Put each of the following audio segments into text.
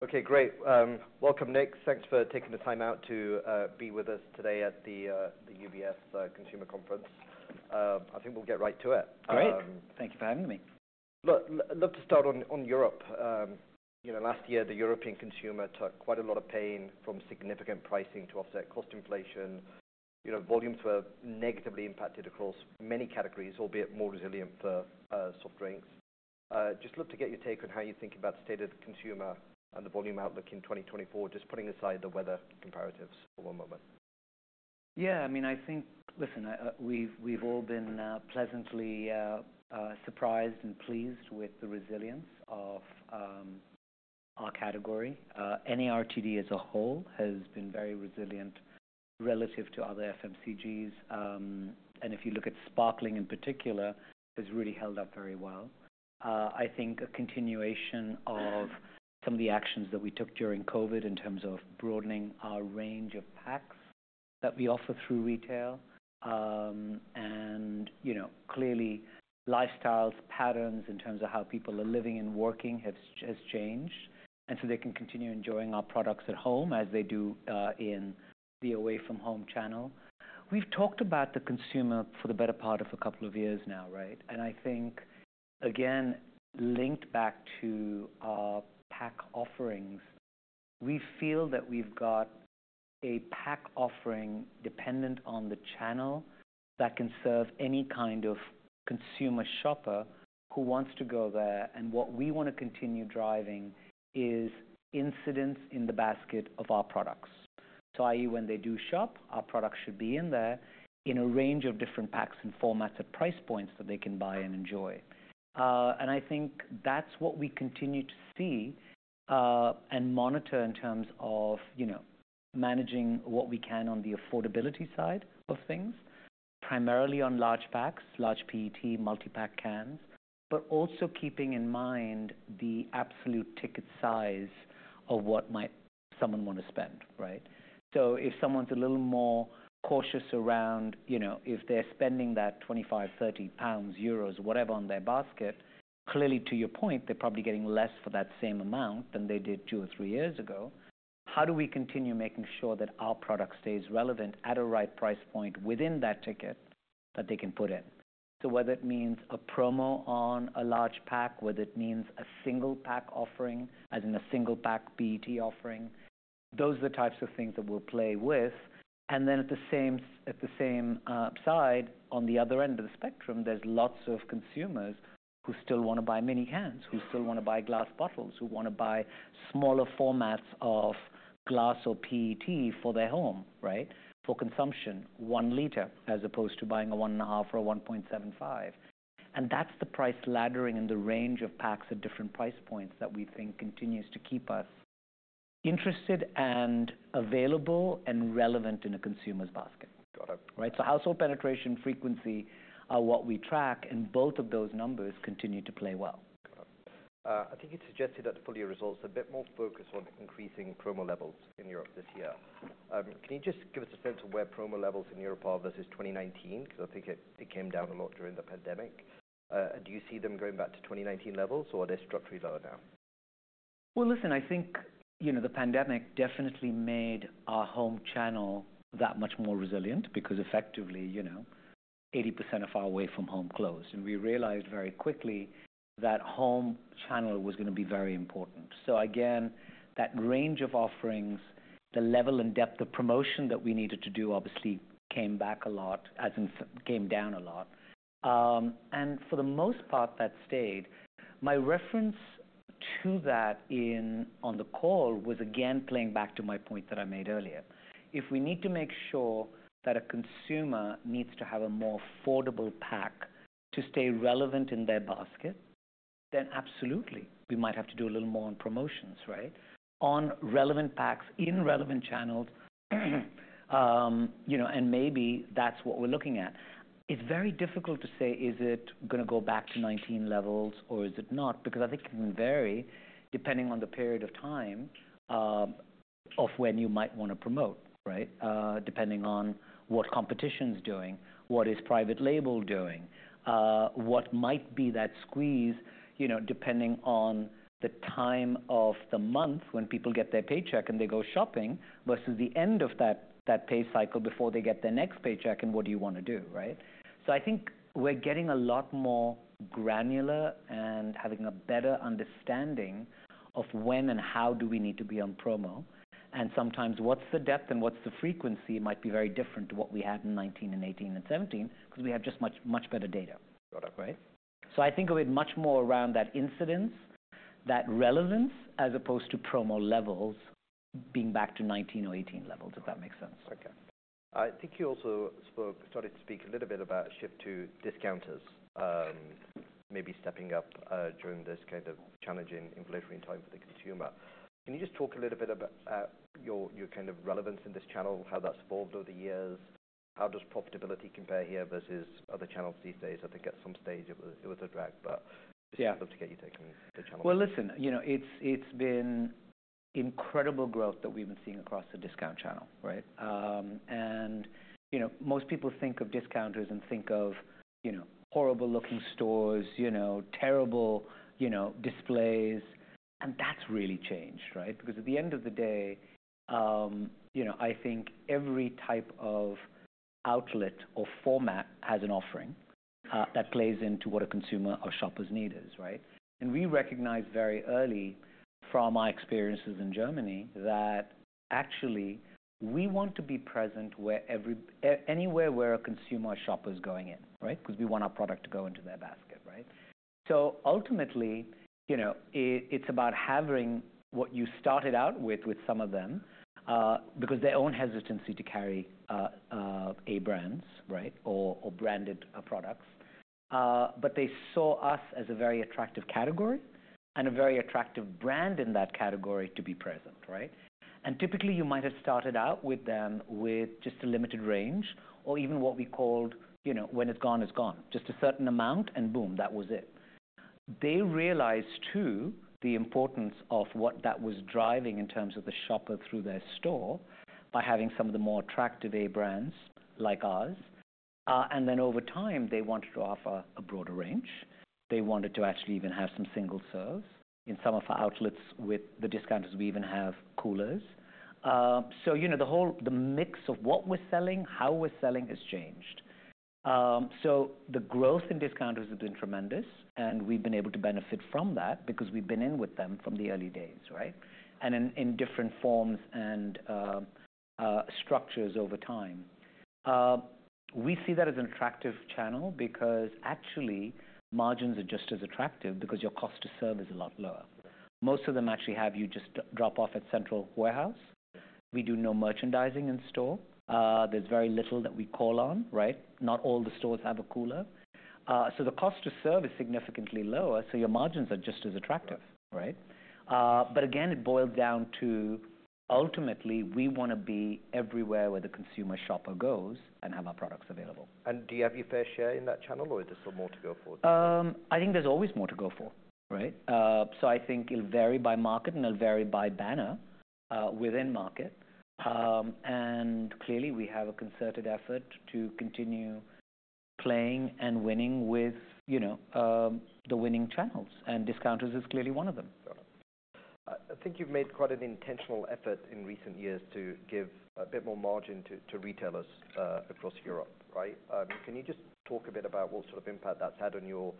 Okay, great. Welcome, Nik. Thanks for taking the time out to be with us today at the UBS consumer conference. I think we'll get right to it. Great. Thank you for having me. Look, I love to start on Europe. You know, last year the European consumer took quite a lot of pain from significant pricing to offset cost inflation. You know, volumes were negatively impacted across many categories, albeit more resilient for soft drinks. Just love to get your take on how you think about the state of the consumer and the volume outlook in 2024, just putting aside the weather comparatives for one moment. Yeah, I mean, I think, listen, I—we've, we've all been pleasantly surprised and pleased with the resilience of our category. NARTD as a whole has been very resilient relative to other FMCGs. And if you look at sparkling in particular, has really held up very well. I think a continuation of some of the actions that we took during COVID in terms of broadening our range of packs that we offer through retail, and, you know, clearly lifestyles patterns in terms of how people are living and working has changed, and so they can continue enjoying our products at home as they do in the away-from-home channel. We've talked about the consumer for the better part of a couple of years now, right? And I think, again, linked back to our pack offerings, we feel that we've got a pack offering dependent on the channel that can serve any kind of consumer shopper who wants to go there, and what we want to continue driving is incidence in the basket of our products. So, i.e., when they do shop, our products should be in there in a range of different packs and formats at price points that they can buy and enjoy. And I think that's what we continue to see, and monitor in terms of, you know, managing what we can on the affordability side of things, primarily on large packs, large PET, multi-pack cans, but also keeping in mind the absolute ticket size of what might someone want to spend, right? So if someone's a little more cautious around, you know, if they're spending that 25 pounds, 30 pounds, euros, whatever on their basket, clearly to your point, they're probably getting less for that same amount than they did two or three years ago. How do we continue making sure that our product stays relevant at a right price point within that ticket that they can put in? So whether it means a promo on a large pack, whether it means a single pack offering, as in a single pack PET offering, those are the types of things that we'll play with. And then at the same side, on the other end of the spectrum, there's lots of consumers who still want to buy mini cans, who still want to buy glass bottles, who want to buy smaller formats of glass or PET for their home, right, for consumption, 1 L, as opposed to buying a one and a half or a 1.75. And that's the price laddering in the range of packs at different price points that we think continues to keep us interested and available and relevant in a consumer's basket. Got it. Right? So household penetration, frequency, are what we track, and both of those numbers continue to play well. Got it. I think you suggested at the full year results a bit more focus on increasing promo levels in Europe this year. Can you just give us a sense of where promo levels in Europe are versus 2019, because I think it came down a lot during the pandemic? And do you see them going back to 2019 levels, or are they structurally lower now? Well, listen, I think, you know, the pandemic definitely made our home channel that much more resilient because effectively, you know, 80% of our away-from-home closed. And we realized very quickly that home channel was going to be very important. So again, that range of offerings, the level and depth of promotion that we needed to do, obviously, came back a lot, as in, it came down a lot. And for the most part that stayed. My reference to that, on the call, was again playing back to my point that I made earlier. If we need to make sure that a consumer needs to have a more affordable pack to stay relevant in their basket, then absolutely, we might have to do a little more on promotions, right? On relevant packs, in relevant channels, you know, and maybe that's what we're looking at. It's very difficult to say, is it going to go back to 2019 levels, or is it not? Because I think it can vary depending on the period of time, of when you might want to promote, right? Depending on what competition's doing, what is private label doing, what might be that squeeze, you know, depending on the time of the month when people get their paycheck and they go shopping versus the end of that, that pay cycle before they get their next paycheck, and what do you want to do, right? So I think we're getting a lot more granular and having a better understanding of when and how do we need to be on promo, and sometimes what's the depth and what's the frequency might be very different to what we had in 2019 and 2018 and 2017 because we have just much, much better data. Got it. Right? So I think of it much more around that incidence, that relevance, as opposed to promo levels being back to 2019 or 2018 levels, if that makes sense. Okay. I think you also started to speak a little bit about a shift to discounters, maybe stepping up, during this kind of challenging inflationary time for the consumer. Can you just talk a little bit about your kind of relevance in this channel, how that's evolved over the years? How does profitability compare here versus other channels these days? I think at some stage it was a drag, but just love to get your take on the channel. Well, listen, you know, it's been incredible growth that we've been seeing across the discount channel, right? And, you know, most people think of discounters and think of, you know, horrible-looking stores, you know, terrible, you know, displays. And that's really changed, right? Because at the end of the day, you know, I think every type of outlet or format has an offering that plays into what a consumer or shopper's need is, right? And we recognize very early from our experiences in Germany that actually we want to be present anywhere where a consumer or shopper's going in, right? Because we want our product to go into their basket, right? So ultimately, you know, it's about having what you started out with with some of them, because their own hesitancy to carry A-brands, right, or branded products. But they saw us as a very attractive category and a very attractive brand in that category to be present, right? And typically you might have started out with them with just a limited range, or even what we called, you know, when it's gone, it's gone, just a certain amount and boom, that was it. They realized, too, the importance of what that was driving in terms of the shopper through their store by having some of the more attractive A-brands like ours. And then over time they wanted to offer a broader range. They wanted to actually even have some single serves in some of our outlets. With the discounters we even have coolers. So, you know, the whole mix of what we're selling, how we're selling has changed. So the growth in discounters has been tremendous, and we've been able to benefit from that because we've been in with them from the early days, right, and in different forms and structures over time. We see that as an attractive channel because actually margins are just as attractive because your cost to serve is a lot lower. Most of them actually have you just drop off at central warehouse. We do no merchandising in store. There's very little that we call on, right? Not all the stores have a cooler. So the cost to serve is significantly lower, so your margins are just as attractive, right? But again, it boils down to ultimately we want to be everywhere where the consumer shopper goes and have our products available. Do you have your fair share in that channel, or is there still more to go for? I think there's always more to go for, right? So I think it'll vary by market and it'll vary by banner, within market. And clearly we have a concerted effort to continue playing and winning with, you know, the winning channels, and discounters is clearly one of them. Got it. I think you've made quite an intentional effort in recent years to give a bit more margin to, to retailers, across Europe, right? Can you just talk a bit about what sort of impact that's had on your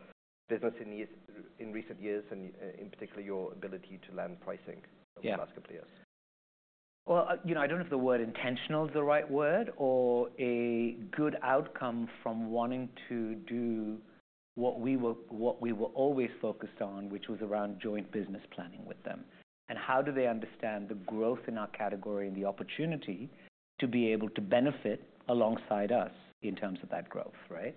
business in the years in recent years and, in particular your ability to land pricing over the last couple of years? Yeah. Well, you know, I don't know if the word intentional is the right word, or a good outcome from wanting to do what we were always focused on, which was around joint business planning with them, and how do they understand the growth in our category and the opportunity to be able to benefit alongside us in terms of that growth, right?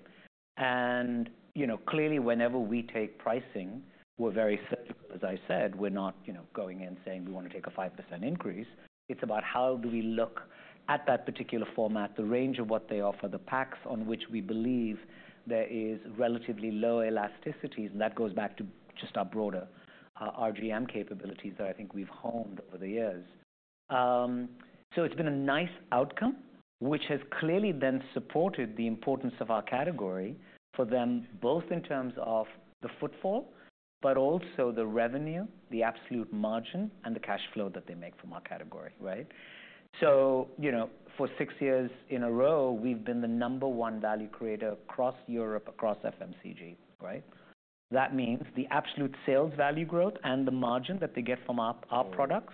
And, you know, clearly whenever we take pricing, we're very surgical, as I said. We're not, you know, going in saying we want to take a 5% increase. It's about how do we look at that particular format, the range of what they offer, the packs on which we believe there is relatively low elasticities, and that goes back to just our broader, RGM capabilities that I think we've honed over the years. So it's been a nice outcome, which has clearly then supported the importance of our category for them both in terms of the footfall, but also the revenue, the absolute margin, and the cash flow that they make from our category, right? So, you know, for six years in a row we've been the number one value creator across Europe, across FMCG, right? That means the absolute sales value growth and the margin that they get from our products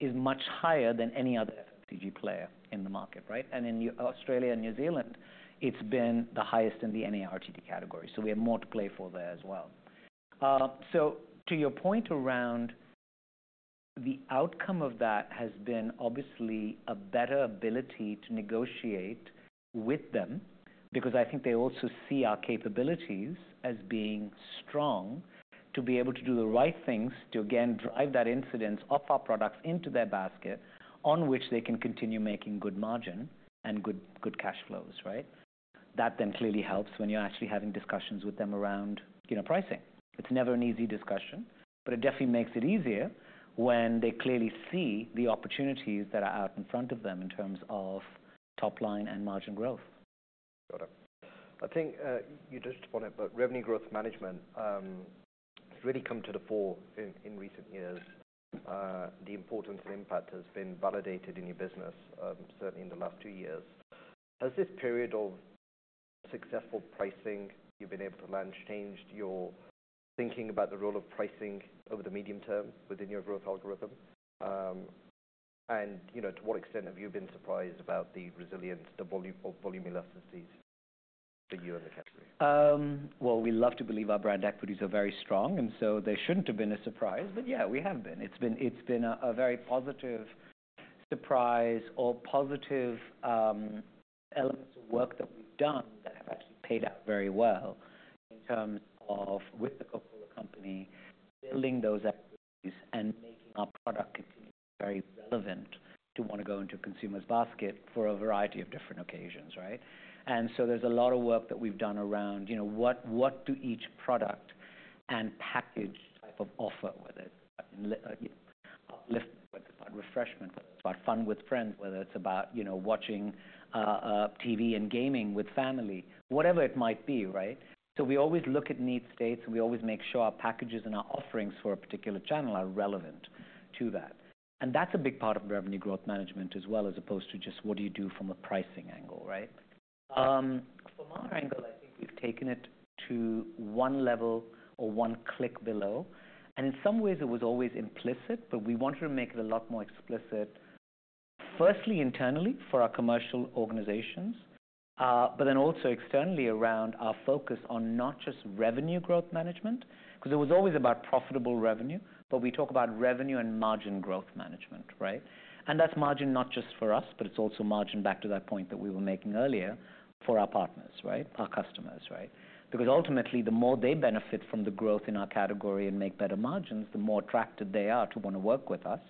is much higher than any other FMCG player in the market, right? And in Australia and New Zealand it's been the highest in the NARTD category, so we have more to play for there as well. To your point around the outcome of that has been obviously a better ability to negotiate with them because I think they also see our capabilities as being strong to be able to do the right things to, again, drive that incidence off our products into their basket on which they can continue making good margin and good, good cash flows, right? That then clearly helps when you're actually having discussions with them around, you know, pricing. It's never an easy discussion, but it definitely makes it easier when they clearly see the opportunities that are out in front of them in terms of top line and margin growth. Got it. I think, you touched upon it, but revenue growth management has really come to the fore in recent years. The importance and impact has been validated in your business, certainly in the last two years. Has this period of successful pricing you've been able to land changed your thinking about the role of pricing over the medium term within your growth algorithm? And, you know, to what extent have you been surprised about the resilience, the volume elasticities for you and the category? Well, we love to believe our brand equities are very strong, and so there shouldn't have been a surprise. But yeah, we have been. It's been a very positive surprise or positive elements of work that we've done that have actually paid out very well in terms of, with the Coca-Cola Company, building those equities and making our product continue to be very relevant to want to go into a consumer's basket for a variety of different occasions, right? And so there's a lot of work that we've done around, you know, what each product and package type offer whether it's about, you know, upliftment, whether it's about refreshment, whether it's about fun with friends, whether it's about, you know, watching TV and gaming with family, whatever it might be, right? So we always look at need states, and we always make sure our packages and our offerings for a particular channel are relevant to that. And that's a big part of revenue growth management as well, as opposed to just what do you do from a pricing angle, right? From our angle, I think we've taken it to one level or one click below. And in some ways it was always implicit, but we wanted to make it a lot more explicit, firstly internally for our commercial organizations, but then also externally around our focus on not just revenue growth management because it was always about profitable revenue, but we talk about revenue and margin growth management, right? And that's margin not just for us, but it's also margin back to that point that we were making earlier for our partners, right, our customers, right? Because ultimately the more they benefit from the growth in our category and make better margins, the more attracted they are to want to work with us,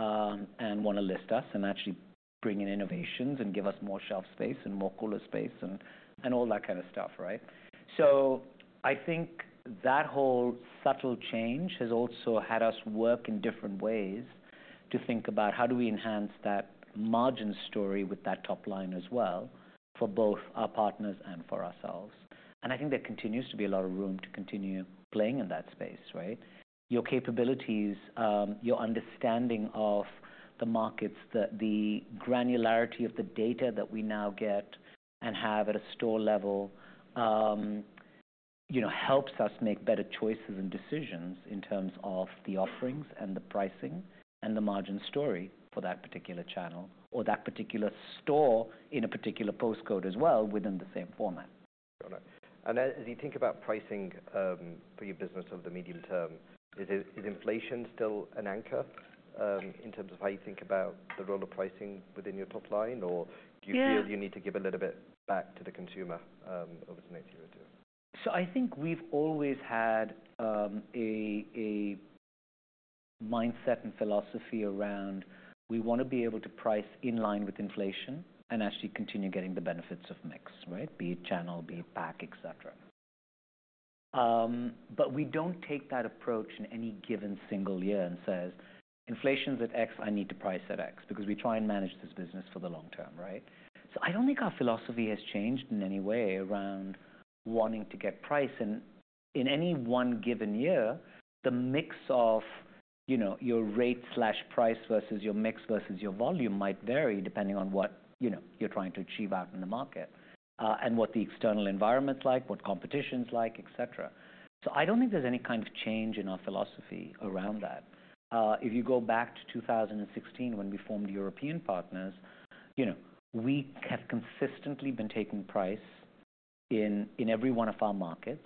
and want to list us and actually bring in innovations and give us more shelf space and more cooler space and, and all that kind of stuff, right? So I think that whole subtle change has also had us work in different ways to think about how do we enhance that margin story with that top line as well for both our partners and for ourselves. And I think there continues to be a lot of room to continue playing in that space, right? Your capabilities, your understanding of the markets, the granularity of the data that we now get and have at a store level, you know, helps us make better choices and decisions in terms of the offerings and the pricing and the margin story for that particular channel or that particular store in a particular postcode as well within the same format. Got it. And as you think about pricing, for your business over the medium term, is it inflation still an anchor, in terms of how you think about the role of pricing within your top line, or do you feel you need to give a little bit back to the consumer, over the next year or two? So I think we've always had a mindset and philosophy around we want to be able to price in line with inflation and actually continue getting the benefits of mix, right, be it channel, be it pack, et cetera. But we don't take that approach in any given single year and says, "Inflation's at X. I need to price at X," because we try and manage this business for the long term, right? So I don't think our philosophy has changed in any way around wanting to get price. And in any one given year the mix of, you know, your rate/price versus your mix versus your volume might vary depending on what, you know, you're trying to achieve out in the market, and what the external environment's like, what competition's like, et cetera. So I don't think there's any kind of change in our philosophy around that. If you go back to 2016 when we formed Coca-Cola European Partners, you know, we have consistently been taking price in, in every one of our markets,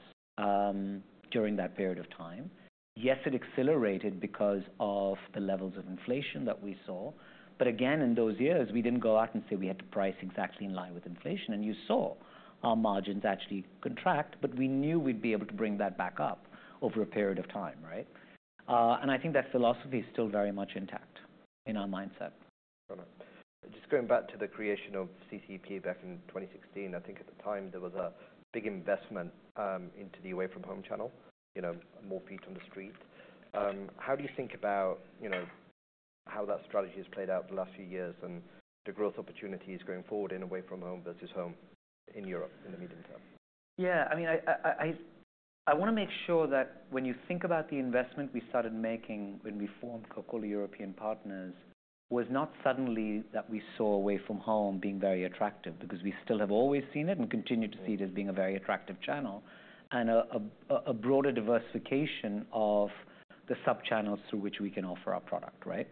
during that period of time. Yes, it accelerated because of the levels of inflation that we saw. But again, in those years we didn't go out and say we had to price exactly in line with inflation, and you saw our margins actually contract, but we knew we'd be able to bring that back up over a period of time, right? And I think that philosophy is still very much intact in our mindset. Got it. Just going back to the creation of CCEP back in 2016, I think at the time there was a big investment into the away-from-home channel, you know, more feet on the street. How do you think about, you know, how that strategy has played out the last few years and the growth opportunities going forward in away-from-home versus home in Europe in the medium term? Yeah. I mean, I want to make sure that when you think about the investment we started making when we formed Coca-Cola European Partners was not suddenly that we saw away-from-home being very attractive because we still have always seen it and continue to see it as being a very attractive channel and a broader diversification of the subchannels through which we can offer our product, right?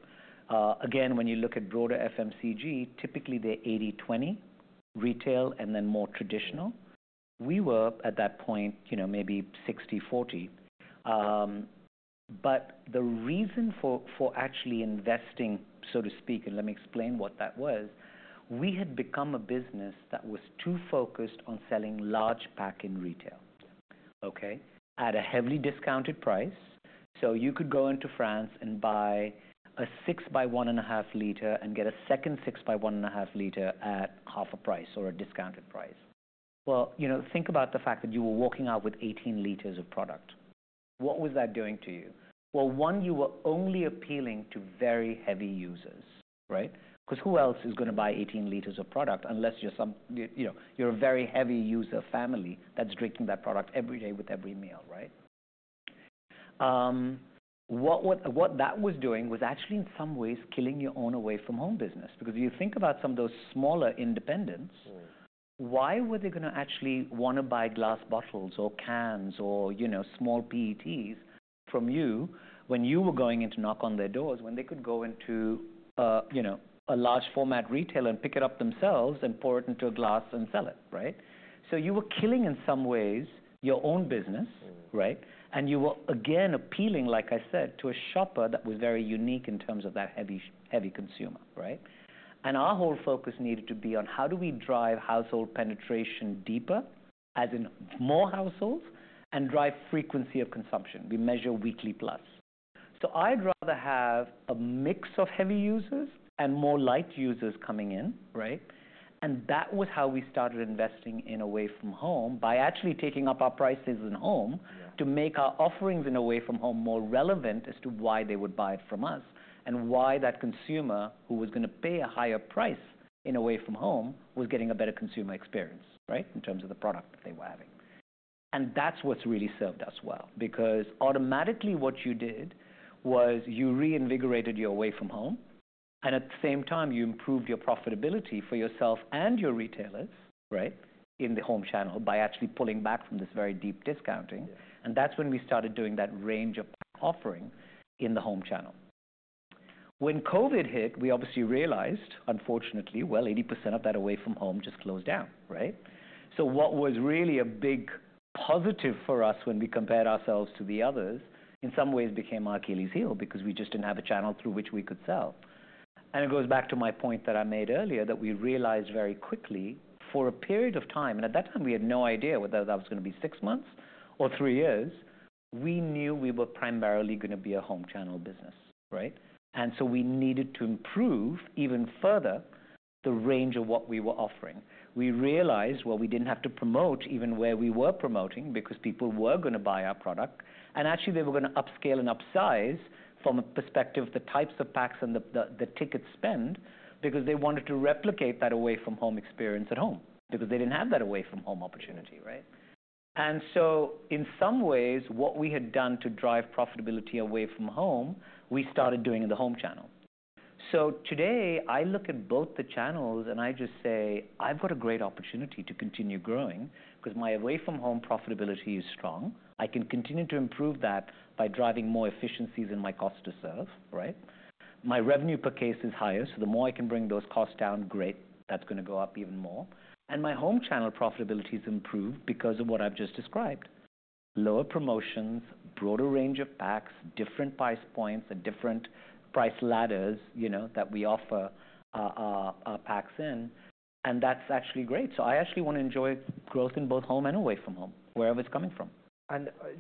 Again, when you look at broader FMCG, typically they're 80/20, retail and then more traditional. We were at that point, you know, maybe 60/40. But the reason for actually investing, so to speak, and let me explain what that was, we had become a business that was too focused on selling large pack in retail, okay, at a heavily discounted price. So you could go into France and buy a 6x1.5 L and get a second 6x1.5 L at half a price or a discounted price. Well, you know, think about the fact that you were walking out with 18 L of product. What was that doing to you? Well, one, you were only appealing to very heavy users, right, because who else is going to buy 18 L of product unless you're some you know, you're a very heavy user family that's drinking that product every day with every meal, right? That was doing was actually in some ways killing your own away-from-home business because if you think about some of those smaller independents, why were they going to actually want to buy glass bottles or cans or, you know, small PETs from you when you were going in to knock on their doors when they could go into, you know, a large format retailer and pick it up themselves and pour it into a glass and sell it, right? So you were killing in some ways your own business, right, and you were again appealing, like I said, to a shopper that was very unique in terms of that heavy, heavy consumer, right? And our whole focus needed to be on how do we drive household penetration deeper, as in more households, and drive frequency of consumption. We measure weekly plus. So I'd rather have a mix of heavy users and more light users coming in, right? And that was how we started investing in away-from-home by actually taking up our prices in home to make our offerings in away-from-home more relevant as to why they would buy it from us and why that consumer who was going to pay a higher price in away-from-home was getting a better consumer experience, right, in terms of the product that they were having. And that's what's really served us well because automatically what you did was you reinvigorated your away-from-home and at the same time you improved your profitability for yourself and your retailers, right, in the home channel by actually pulling back from this very deep discounting. And that's when we started doing that range of offering in the home channel. When COVID hit we obviously realized, unfortunately, well, 80% of that away-from-home just closed down, right? So what was really a big positive for us when we compared ourselves to the others in some ways became our Achilles' heel because we just didn't have a channel through which we could sell. And it goes back to my point that I made earlier that we realized very quickly for a period of time and at that time we had no idea whether that was going to be six months or three years we knew we were primarily going to be a home channel business, right? And so we needed to improve even further the range of what we were offering. We realized, well, we didn't have to promote even where we were promoting because people were going to buy our product, and actually they were going to upscale and upsize from a perspective of the types of packs and the ticket spend because they wanted to replicate that away-from-home experience at home because they didn't have that away-from-home opportunity, right? And so in some ways what we had done to drive profitability away-from-home we started doing in the home channel. So today I look at both the channels and I just say I've got a great opportunity to continue growing because my away-from-home profitability is strong. I can continue to improve that by driving more efficiencies in my cost to serve, right? My revenue per case is higher, so the more I can bring those costs down, great, that's going to go up even more. My home channel profitability's improved because of what I've just described, lower promotions, broader range of packs, different price points, and different price ladders, you know, that we offer, packs in. That's actually great. I actually want to enjoy growth in both home and away-from-home, wherever it's coming from.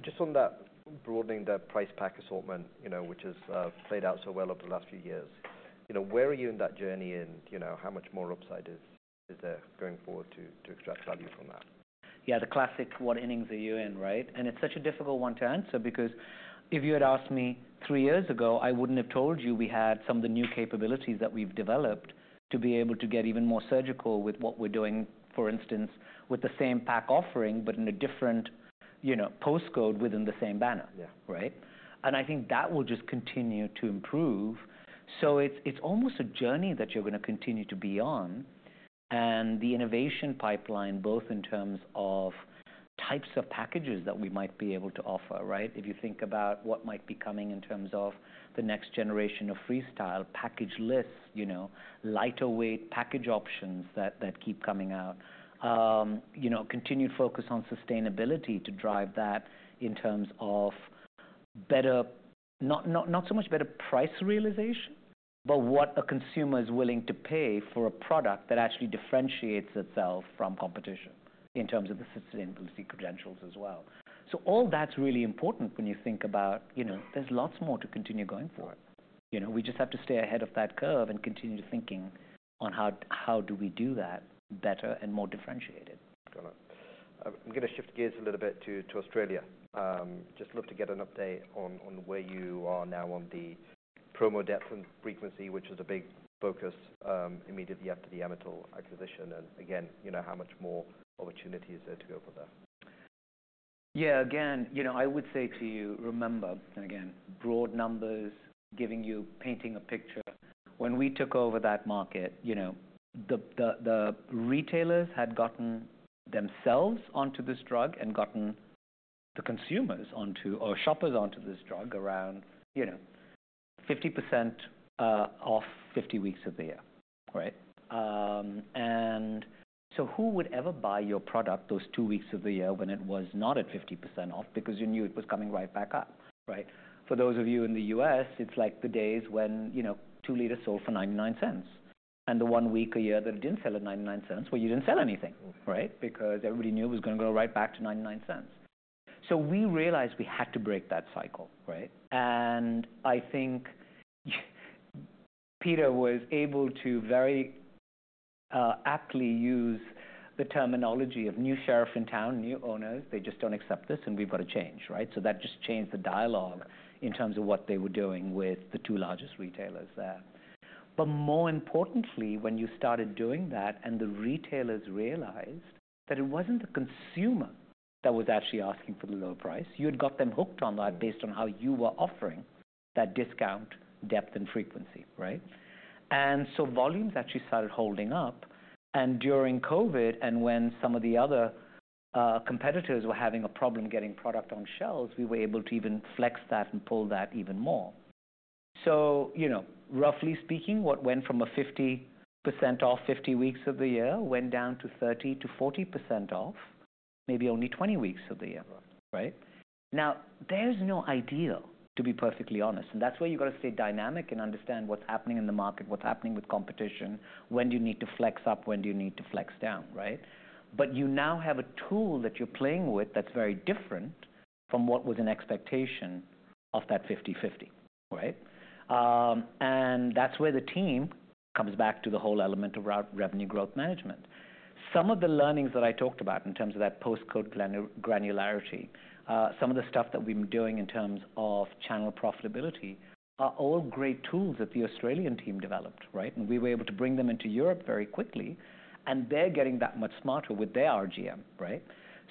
Just on that broadening the price pack assortment, you know, which has played out so well over the last few years, you know, where are you in that journey and, you know, how much more upside is there going forward to extract value from that? Yeah. The classic, what innings are you in, right? And it's such a difficult one to answer because if you had asked me three years ago I wouldn't have told you we had some of the new capabilities that we've developed to be able to get even more surgical with what we're doing, for instance, with the same pack offering but in a different, you know, postcode within the same banner, right? And I think that will just continue to improve. So it's almost a journey that you're going to continue to be on and the innovation pipeline both in terms of types of packages that we might be able to offer, right, if you think about what might be coming in terms of the next generation of Freestyle package-less, you know, lighter weight package options that keep coming out, you know, continued focus on sustainability to drive that in terms of better not so much better price realization, but what a consumer is willing to pay for a product that actually differentiates itself from competition in terms of the sustainability credentials as well. So all that's really important when you think about, you know, there's lots more to continue going forward. You know, we just have to stay ahead of that curve and continue to thinking on how do we do that better and more differentiated. Got it. I'm going to shift gears a little bit to, to Australia. Just love to get an update on, on where you are now on the promo depth and frequency, which is a big focus, immediately after the Amatil acquisition and again, you know, how much more opportunity is there to go for there? Yeah. Again, you know, I would say to you, remember, and again, broad numbers giving you painting a picture. When we took over that market, you know, the retailers had gotten themselves onto this drug and gotten the consumers onto or shoppers onto this drug around, you know, 50% off 50 weeks of the year, right? And so who would ever buy your product those two weeks of the year when it was not at 50% off because you knew it was coming right back up, right? For those of you in the U.S. it's like the days when, you know, 2 L sold for $0.99 and the one week a year that it didn't sell at $0.99 where you didn't sell anything, right, because everybody knew it was going to go right back to $0.99. So we realized we had to break that cycle, right? And I think Peter was able to very aptly use the terminology of new sheriff in town, new owners, they just don't accept this, and we've got to change, right? So that just changed the dialogue in terms of what they were doing with the two largest retailers there. But more importantly, when you started doing that and the retailers realized that it wasn't the consumer that was actually asking for the low price, you had got them hooked on that based on how you were offering that discount depth and frequency, right? And so volumes actually started holding up. And during COVID and when some of the other competitors were having a problem getting product on shelves, we were able to even flex that and pull that even more. So, you know, roughly speaking, what went from a 50% off 50 weeks of the year went down to 30%-40% off maybe only 20 weeks of the year, right? Now, there's no ideal, to be perfectly honest, and that's where you've got to stay dynamic and understand what's happening in the market, what's happening with competition, when do you need to flex up, when do you need to flex down, right? But you now have a tool that you're playing with that's very different from what was an expectation of that 50/50, right? And that's where the team comes back to the whole element of revenue growth management. Some of the learnings that I talked about in terms of that postcode granularity, some of the stuff that we've been doing in terms of channel profitability are all great tools that the Australian team developed, right? And we were able to bring them into Europe very quickly, and they're getting that much smarter with their RGM, right?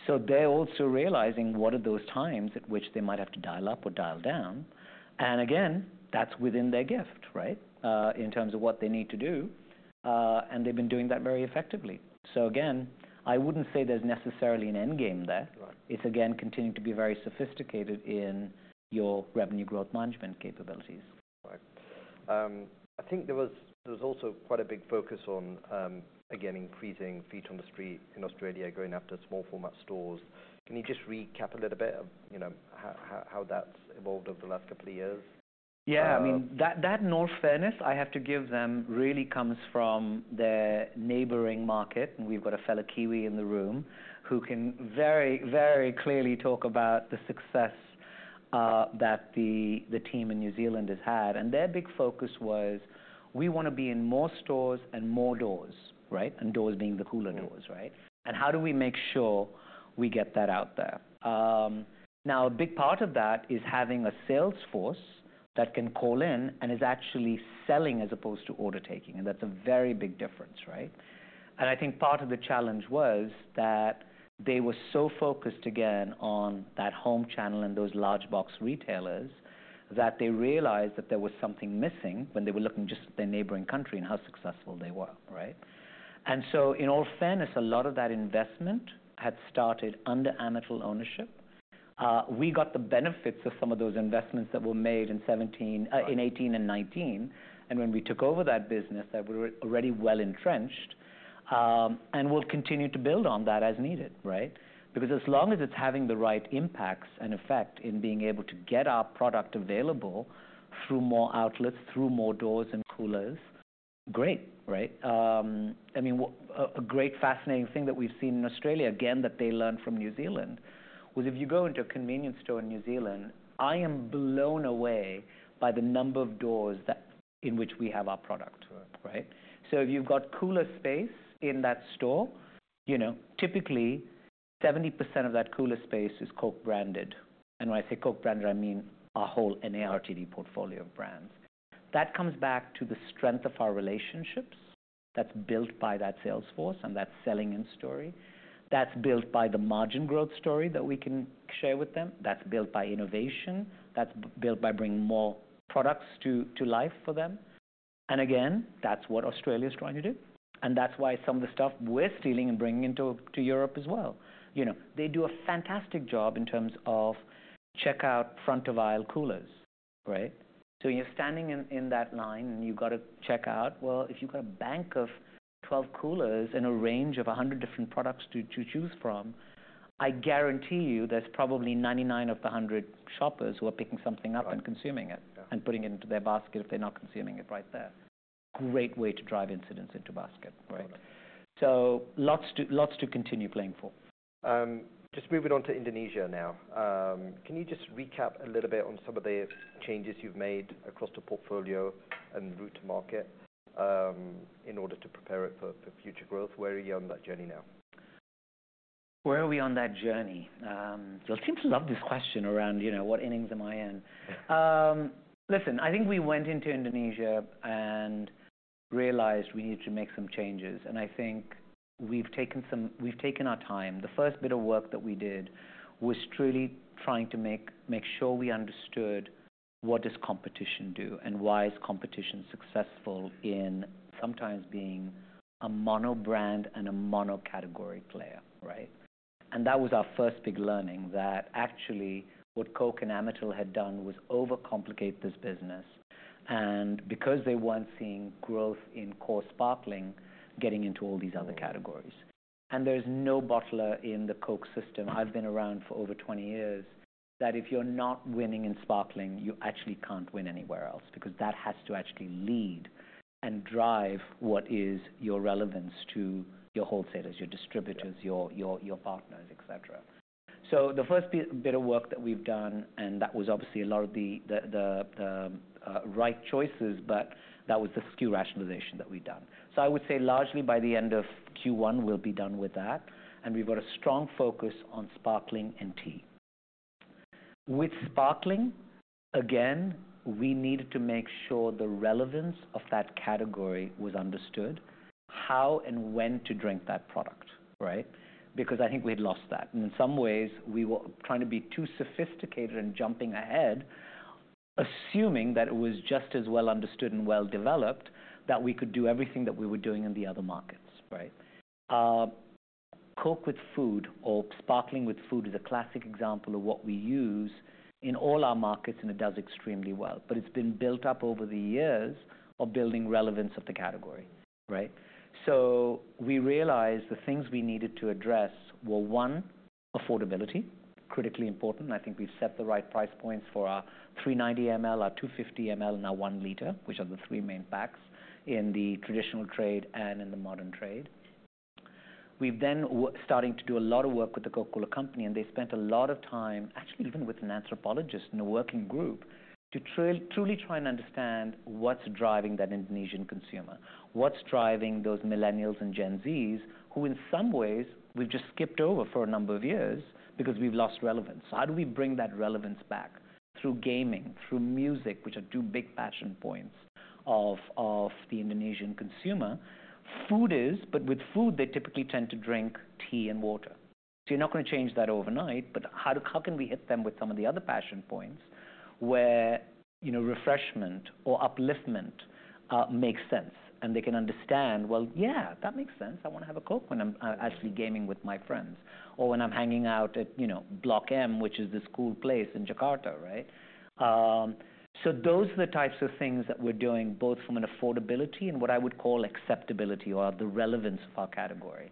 So they're also realizing what are those times at which they might have to dial up or dial down. And again, that's within their gift, right, in terms of what they need to do, and they've been doing that very effectively. So again, I wouldn't say there's necessarily an endgame there. It's, again, continuing to be very sophisticated in your revenue growth management capabilities. Right. I think there was also quite a big focus on, again, increasing feet on the street in Australia going after small format stores. Can you just recap a little bit of, you know, how that's evolved over the last couple of years? Yeah. I mean, that in all fairness, I have to give them, really comes from their neighboring market. And we've got a fellow Kiwi in the room who can very, very clearly talk about the success, that the team in New Zealand has had. And their big focus was we want to be in more stores and more doors, right, and doors being the cooler doors, right? And how do we make sure we get that out there? Now, a big part of that is having a sales force that can call in and is actually selling as opposed to order taking. And that's a very big difference, right? And I think part of the challenge was that they were so focused, again, on that home channel and those large box retailers that they realized that there was something missing when they were looking just at their neighboring country and how successful they were, right? And so in all fairness, a lot of that investment had started under Amatil ownership. We got the benefits of some of those investments that were made in 2017, in 2018 and 2019. And when we took over that business that were already well entrenched, and we'll continue to build on that as needed, right, because as long as it's having the right impacts and effect in being able to get our product available through more outlets, through more doors and coolers, great, right? I mean, a great, fascinating thing that we've seen in Australia, again, that they learned from New Zealand, was if you go into a convenience store in New Zealand, I am blown away by the number of doors that in which we have our product, right? So if you've got cooler space in that store, you know, typically 70% of that cooler space is Coke branded. And when I say Coke branded, I mean our whole NARTD portfolio of brands. That comes back to the strength of our relationships that's built by that sales force and that selling in story. That's built by the margin growth story that we can share with them. That's built by innovation. That's built by bringing more products to, to life for them. And again, that's what Australia's trying to do. That's why some of the stuff we're stealing and bringing into Europe as well. You know, they do a fantastic job in terms of checkout front of aisle coolers, right? When you're standing in that line and you've got to checkout, well, if you've got a bank of 12 coolers and a range of 100 different products to choose from, I guarantee you there's probably 99 of the 100 shoppers who are picking something up and consuming it and putting it into their basket if they're not consuming it right there. Great way to drive incidence into basket, right? Lots to continue playing for. Just moving on to Indonesia now, can you just recap a little bit on some of the changes you've made across the portfolio and route to market, in order to prepare it for future growth? Where are you on that journey now? Where are we on that journey? You'll seem to love this question around, you know, what innings am I in? Listen, I think we went into Indonesia and realized we needed to make some changes. I think we've taken our time. The first bit of work that we did was truly trying to make sure we understood what does competition do and why is competition successful in sometimes being a mono brand and a mono category player, right? That was our first big learning, that actually what Coke and Amatil had done was overcomplicate this business and because they weren't seeing growth in core sparkling, getting into all these other categories. And there's no bottler in the Coke system, I've been around for over 20 years, that if you're not winning in sparkling, you actually can't win anywhere else because that has to actually lead and drive what is your relevance to your wholesalers, your distributors, your partners, et cetera. So the first bit of work that we've done, and that was obviously a lot of the right choices, but that was the SKU rationalization that we'd done. So I would say largely by the end of Q1 we'll be done with that. And we've got a strong focus on sparkling and tea. With sparkling, again, we needed to make sure the relevance of that category was understood, how and when to drink that product, right, because I think we had lost that. In some ways we were trying to be too sophisticated and jumping ahead, assuming that it was just as well understood and well developed that we could do everything that we were doing in the other markets, right? Coke with food or sparkling with food is a classic example of what we use in all our markets and it does extremely well. But it's been built up over the years of building relevance of the category, right? We realized the things we needed to address were, one, affordability, critically important. I think we've set the right price points for our 390 ml, our 250 ml, and our 1 L, which are the three main packs in the traditional trade and in the modern trade. We've then starting to do a lot of work with the Coca-Cola Company, and they spent a lot of time actually even with an anthropologist and a working group to truly try and understand what's driving that Indonesian consumer, what's driving those millennials and Gen Zs who in some ways we've just skipped over for a number of years because we've lost relevance. So how do we bring that relevance back through gaming, through music, which are two big passion points of the Indonesian consumer? Food is, but with food they typically tend to drink tea and water. So you're not going to change that overnight, but how can we hit them with some of the other passion points where, you know, refreshment or upliftment makes sense and they can understand, well, yeah, that makes sense. I want to have a Coke when I'm actually gaming with my friends or when I'm hanging out at, you know, Blok M, which is this cool place in Jakarta, right? So those are the types of things that we're doing both from an affordability and what I would call acceptability or the relevance of our category.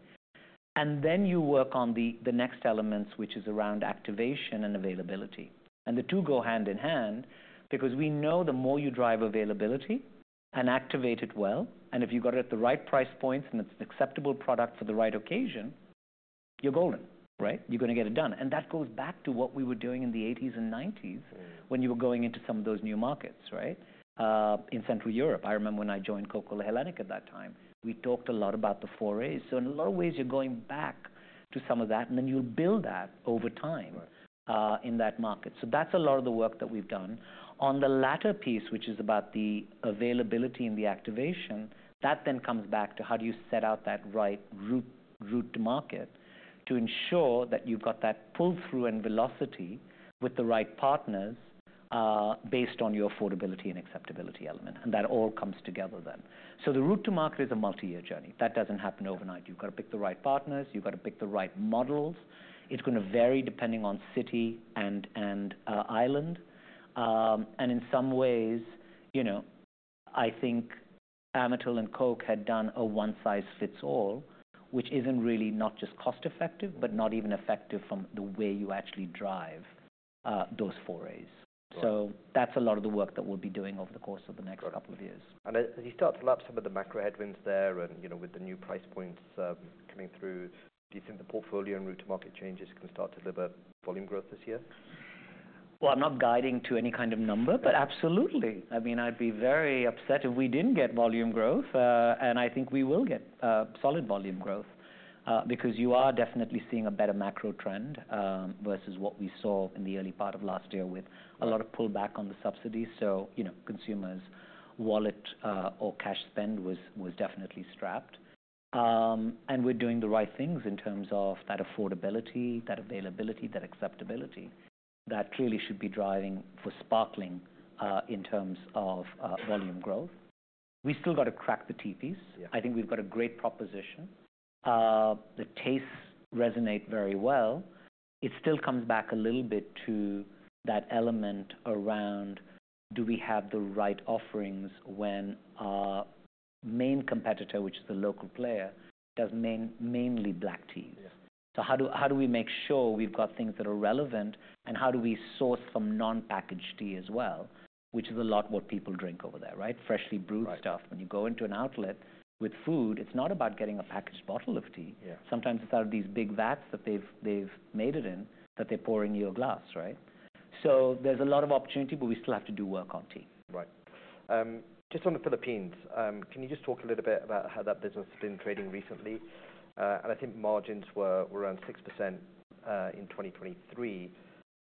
And then you work on the next elements, which is around activation and availability. And the two go hand in hand because we know the more you drive availability and activate it well, and if you've got it at the right price points and it's an acceptable product for the right occasion, you're golden, right? You're going to get it done. And that goes back to what we were doing in the 1980s and 1990s when you were going into some of those new markets, right, in Central Europe. I remember when I joined Coca-Cola HBC at that time, we talked a lot about the 4As. So in a lot of ways you're going back to some of that, and then you'll build that over time, in that market. So that's a lot of the work that we've done. On the latter piece, which is about the availability and the activation, that then comes back to how do you set out that right route, route to market to ensure that you've got that pull through and velocity with the right partners, based on your affordability and acceptability element. And that all comes together then. So the route to market is a multi-year journey. That doesn't happen overnight. You've got to pick the right partners. You've got to pick the right models. It's going to vary depending on city and island. In some ways, you know, I think Amatil and Coke had done a one-size-fits-all, which isn't really not just cost-effective, but not even effective from the way you actually drive those 4As. So that's a lot of the work that we'll be doing over the course of the next couple of years. As you start to lap some of the macro headwinds there and, you know, with the new price points, coming through, do you think the portfolio and route to market changes can start to deliver volume growth this year? Well, I'm not guiding to any kind of number, but absolutely. I mean, I'd be very upset if we didn't get volume growth, and I think we will get solid volume growth, because you are definitely seeing a better macro trend versus what we saw in the early part of last year with a lot of pullback on the subsidies. So, you know, consumers' wallet, or cash spend was definitely strapped. And we're doing the right things in terms of that affordability, that availability, that acceptability that truly should be driving for sparkling in terms of volume growth. We still got to crack the tea piece. I think we've got a great proposition. The tastes resonate very well. It still comes back a little bit to that element around do we have the right offerings when our main competitor, which is the local player, does mainly black teas? So how do we make sure we've got things that are relevant, and how do we source from non-packaged tea as well, which is a lot what people drink over there, right? Freshly brewed stuff. When you go into an outlet with food, it's not about getting a packaged bottle of tea. Sometimes it's out of these big vats that they've made it in that they're pouring you a glass, right? So there's a lot of opportunity, but we still have to do work on tea. Right. Just on the Philippines, can you just talk a little bit about how that business has been trading recently? And I think margins were around 6% in 2023.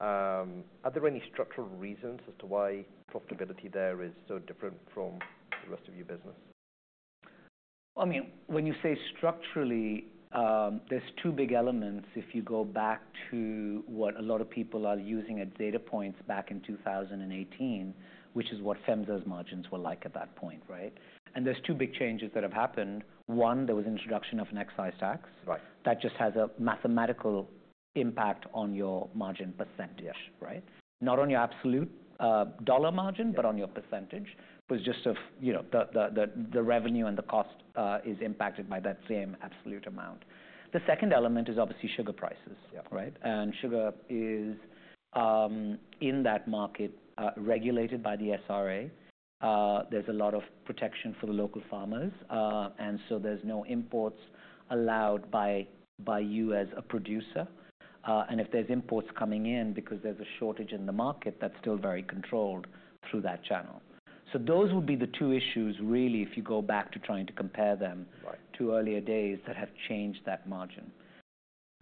Are there any structural reasons as to why profitability there is so different from the rest of your business? Well, I mean, when you say structurally, there's two big elements. If you go back to what a lot of people are using as data points back in 2018, which is what FEMSA's margins were like at that point, right? And there's two big changes that have happened. One, there was introduction of an excise tax. That just has a mathematical impact on your margin percentage, right? Not on your absolute, dollar margin, but on your percentage, but just of, you know, the revenue and the cost, is impacted by that same absolute amount. The second element is obviously sugar prices, right? And sugar is, in that market, regulated by the SRA. There's a lot of protection for the local farmers. And so there's no imports allowed by you as a producer. If there's imports coming in because there's a shortage in the market, that's still very controlled through that channel. So those would be the two issues really, if you go back to trying to compare them to earlier days that have changed that margin.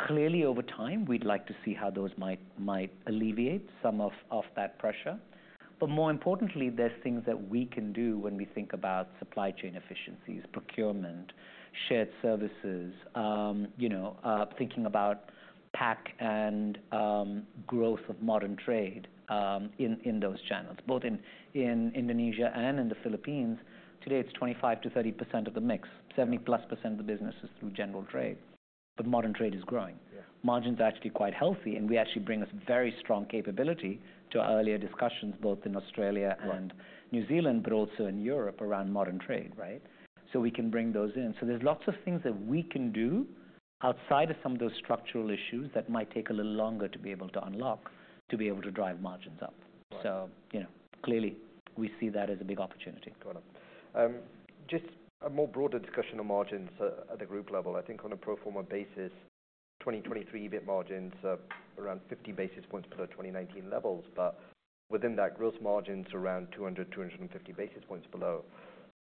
Clearly over time, we'd like to see how those might, might alleviate some of, of that pressure. But more importantly, there's things that we can do when we think about supply chain efficiencies, procurement, shared services, you know, thinking about pack and, growth of modern trade, in, in those channels, both in, in Indonesia and in the Philippines. Today it's 25%-30% of the mix. 70% plus of the business is through general trade. But modern trade is growing. Margin's actually quite healthy, and we actually bring us very strong capability to our earlier discussions both in Australia and New Zealand, but also in Europe around modern trade, right? So we can bring those in. So there's lots of things that we can do outside of some of those structural issues that might take a little longer to be able to unlock to be able to drive margins up. So, you know, clearly we see that as a big opportunity. Got it. Just a more broader discussion on margins at the group level. I think on a pro forma basis, 2023 EBIT margins are around 50 basis points below 2019 levels, but within that, gross margins around 200-250 basis points below.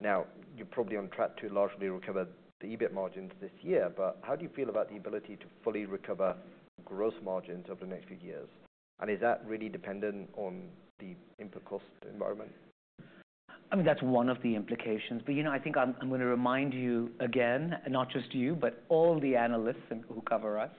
Now, you're probably on track to largely recover the EBIT margins this year, but how do you feel about the ability to fully recover gross margins over the next few years? And is that really dependent on the input cost environment? I mean, that's one of the implications. But, you know, I think I'm going to remind you again, not just you, but all the analysts who cover us,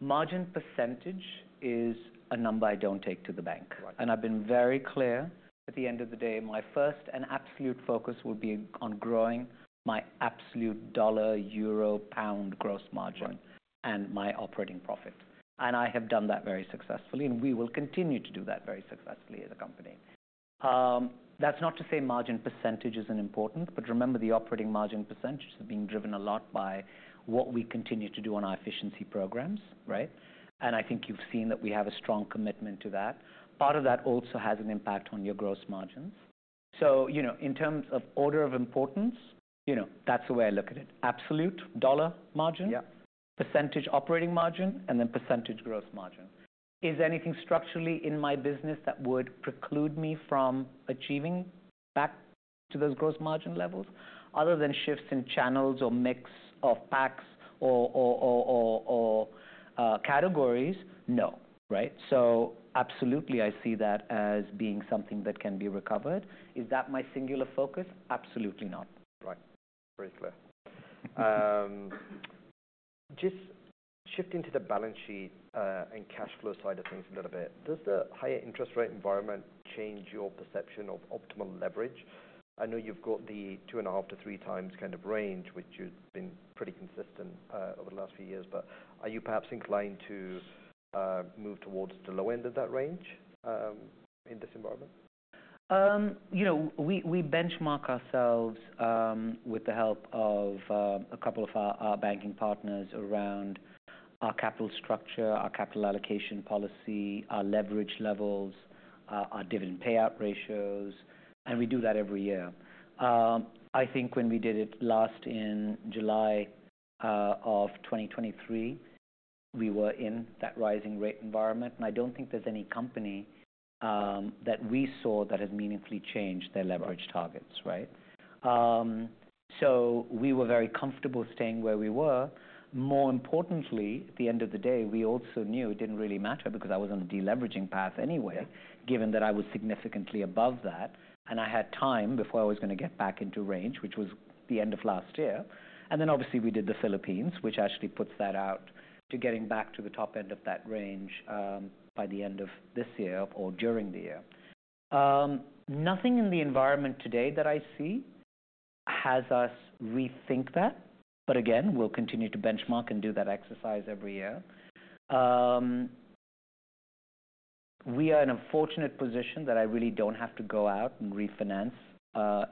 margin percentage is a number I don't take to the bank. And I've been very clear at the end of the day, my first and absolute focus will be on growing my absolute dollar, euro, pound gross margin and my operating profit. And I have done that very successfully, and we will continue to do that very successfully as a company. That's not to say margin percentage isn't important, but remember the operating margin percentage is being driven a lot by what we continue to do on our efficiency programs, right? And I think you've seen that we have a strong commitment to that. Part of that also has an impact on your gross margins. So, you know, in terms of order of importance, you know, that's the way I look at it. Absolute dollar margin, percentage operating margin, and then percentage gross margin. Is anything structurally in my business that would preclude me from achieving back to those gross margin levels other than shifts in channels or mix of packs or categories? No, right? So absolutely I see that as being something that can be recovered. Is that my singular focus? Absolutely not. Right. Very clear. Just shifting to the balance sheet, and cash flow side of things a little bit. Does the higher interest rate environment change your perception of optimal leverage? I know you've got the 2.5x-3x kind of range, which you've been pretty consistent, over the last few years, but are you perhaps inclined to, move towards the low end of that range, in this environment? You know, we benchmark ourselves, with the help of a couple of our banking partners around our capital structure, our capital allocation policy, our leverage levels, our dividend payout ratios. And we do that every year. I think when we did it last in July of 2023, we were in that rising rate environment. And I don't think there's any company that we saw that has meaningfully changed their leverage targets, right? So we were very comfortable staying where we were. More importantly, at the end of the day, we also knew it didn't really matter because I was on the deleveraging path anyway, given that I was significantly above that, and I had time before I was going to get back into range, which was the end of last year. And then obviously we did the Philippines, which actually puts that out to getting back to the top end of that range, by the end of this year or during the year. Nothing in the environment today that I see has us rethink that. But again, we'll continue to benchmark and do that exercise every year. We are in a fortunate position that I really don't have to go out and refinance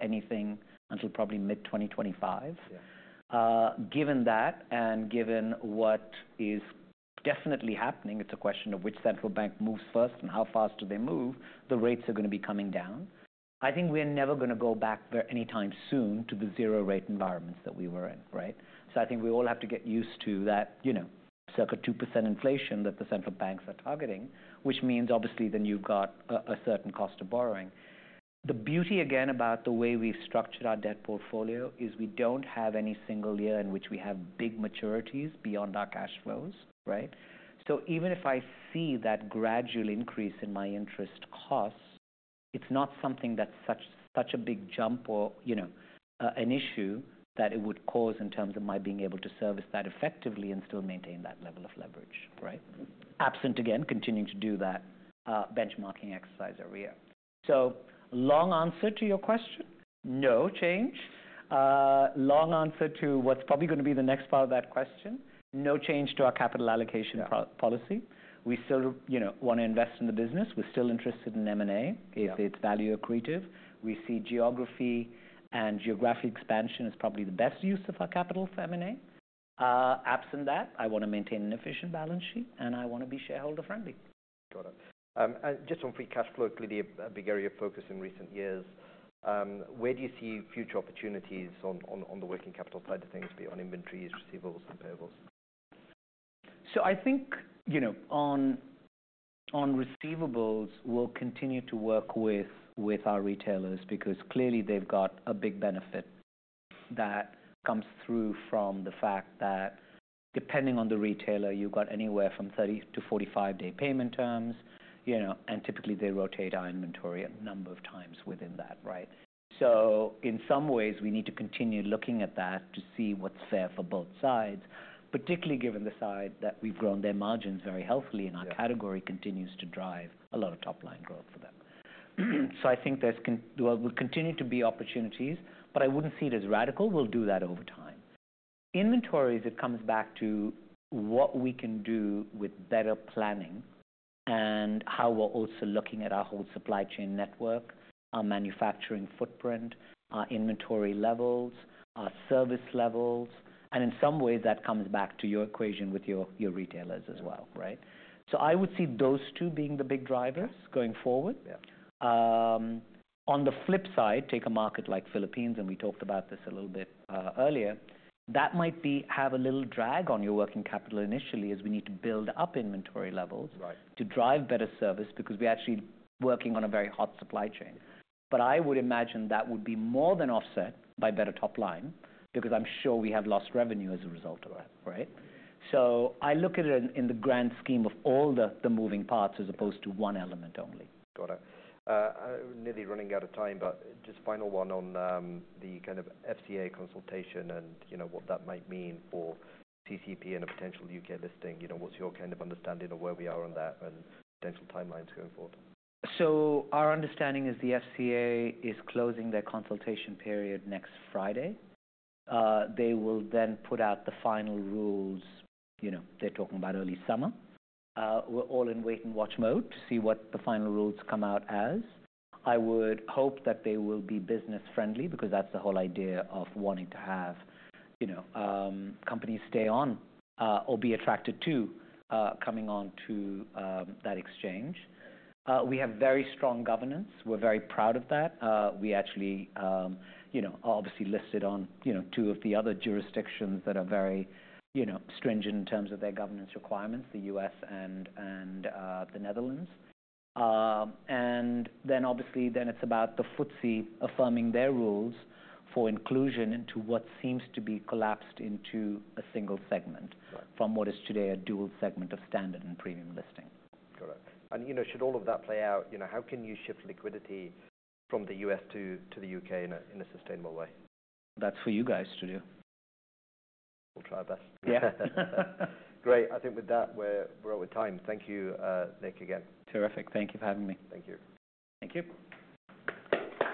anything until probably mid-2025. Given that and given what is definitely happening, it's a question of which central bank moves first and how fast do they move. The rates are going to be coming down. I think we are never going to go back anytime soon to the zero rate environments that we were in, right? So I think we all have to get used to that, you know, circa 2% inflation that the central banks are targeting, which means obviously then you've got a certain cost of borrowing. The beauty again about the way we've structured our debt portfolio is we don't have any single year in which we have big maturities beyond our cash flows, right? So even if I see that gradual increase in my interest costs, it's not something that's such, such a big jump or, you know, an issue that it would cause in terms of my being able to service that effectively and still maintain that level of leverage, right? Absent again, continuing to do that, benchmarking exercise every year. So long answer to your question? No change. Long answer to what's probably going to be the next part of that question? No change to our capital allocation policy. We still, you know, want to invest in the business. We're still interested in M&A if it's value accretive. We see geography and geographic expansion as probably the best use of our capital for M&A. Absent that, I want to maintain an efficient balance sheet, and I want to be shareholder-friendly. Got it. Just on free cash flow, clearly a big area of focus in recent years. Where do you see future opportunities on the working capital side of things, be it on inventories, receivables, and payables? So I think, you know, on, on receivables, we'll continue to work with, with our retailers because clearly they've got a big benefit that comes through from the fact that depending on the retailer, you've got anywhere from 30- to 45-day payment terms, you know, and typically they rotate our inventory a number of times within that, right? So in some ways we need to continue looking at that to see what's fair for both sides, particularly given the side that we've grown their margins very healthily and our category continues to drive a lot of top-line growth for them. So I think there's well, there will continue to be opportunities, but I wouldn't see it as radical. We'll do that over time. Inventories, it comes back to what we can do with better planning and how we're also looking at our whole supply chain network, our manufacturing footprint, our inventory levels, our service levels. And in some ways that comes back to your equation with your, your retailers as well, right? So I would see those two being the big drivers going forward. On the flip side, take a market like Philippines, and we talked about this a little bit, earlier, that might have a little drag on your working capital initially as we need to build up inventory levels to drive better service because we're actually working on a very hot supply chain. But I would imagine that would be more than offset by better top-line because I'm sure we have lost revenue as a result of that, right? I look at it in the grand scheme of all the moving parts as opposed to one element only. Got it. Nearly running out of time, but just final one on the kind of FCA consultation and, you know, what that might mean for CCEP and a potential U.K. listing. You know, what's your kind of understanding of where we are on that and potential timelines going forward? So our understanding is the FCA is closing their consultation period next Friday. They will then put out the final rules. You know, they're talking about early summer. We're all in wait-and-watch mode to see what the final rules come out as. I would hope that they will be business-friendly because that's the whole idea of wanting to have, you know, companies stay on, or be attracted to, coming on to, that exchange. We have very strong governance. We're very proud of that. We actually, you know, are obviously listed on, you know, two of the other jurisdictions that are very, you know, stringent in terms of their governance requirements, the U.S. and the Netherlands. and then obviously then it's about the FTSE affirming their rules for inclusion into what seems to be collapsed into a single segment from what is today a dual segment of Standard and Premium listing. Got it. You know, should all of that play out, you know, how can you shift liquidity from the U.S. to the U.K. in a sustainable way? That's for you guys to do. We'll try our best. Yeah. Great. I think with that, we're out of time. Thank you, Nik, again. Terrific. Thank you for having me. Thank you. Thank you.